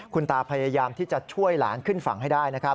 คุณตาพยายามที่จะช่วยหลานขึ้นฝั่งให้ได้นะครับ